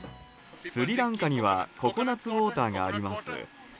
スリランカには、ココナツウォーターがあります。